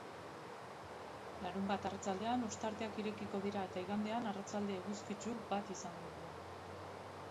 Larunbat arratsaldean ostarteak irekiko dira eta igandean arratsalde eguzkitsu bat izango dugu.